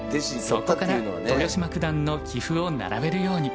そこから豊島九段の棋譜を並べるように。